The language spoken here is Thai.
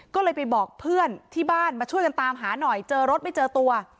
ก็เลยไปบอกเพื่อนที่บ้านมาช่วยกันตามหาหน่อยเจอรถไม่เจอตัว